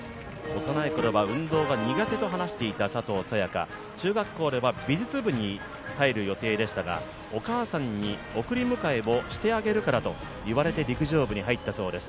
幼いころは運動が苦手だったと話していた佐藤早也伽、美術部に入る予定でしたが、お母さんに送り迎えをしてあげるからと言われて、陸上部に入ったそうです